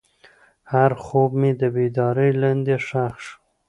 هر خوب مې د بیدارۍ لاندې ښخ شو.